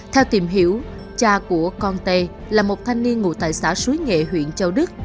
theo tìm hiểu cha của con tê là một thanh niên ngụ tại xã suối nghệ huyện châu đức